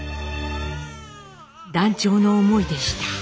断腸の思いでした。